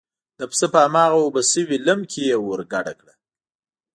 د پسه په هماغه اوبه شوي لم کې یې ور ګډه کړه.